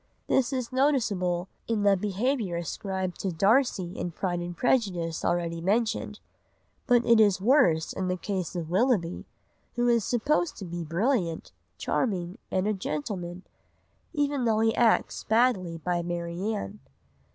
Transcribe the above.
This is noticeable in the behaviour ascribed to Darcy in Pride and Prejudice already mentioned, but it is worse in the case of Willoughby, who is supposed to be brilliant, charming, and a gentleman, even though he acts badly by Marianne.